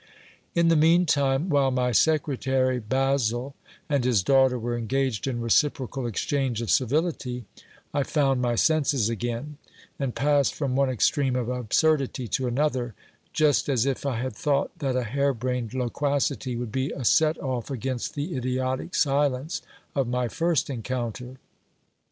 In the mean time, while my secretary, Basil, and his daughter, were engaged in reciprocal exchange of civility, I found my senses again ; and passed from one extreme of absurdity to another, just as if I had thought that a hare brained loquacity would be a set off against the idiotic silence of my first encounter.